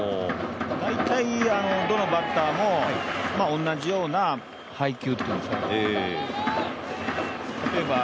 大体、どのバッターもおんなじような配球というんですか。